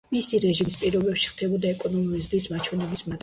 მისი რეჟიმის პირობებში ხდებოდა ეკონომიკური ზრდის მაჩვენებლის მატება.